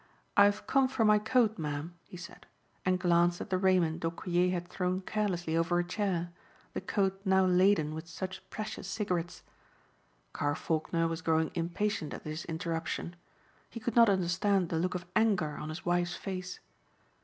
"I've come for my coat, Ma'am," he said, and glanced at the raiment d'Aucquier had thrown carelessly over a chair, the coat now laden with such precious cigarettes. Carr Faulkner was growing impatient at this interruption. He could not understand the look of anger on his wife's face.